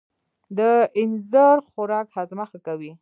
د اینځر خوراک هاضمه ښه کوي.